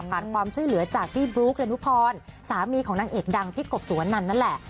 ความช่วยเหลือจากพี่บลุ๊กดานุพรสามีของนางเอกดังพี่กบสุวนันนั่นแหละ